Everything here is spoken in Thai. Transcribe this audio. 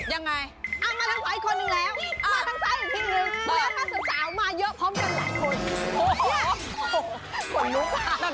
อยู่ในโต๊ะจีนทานข้ามกับเพื่อน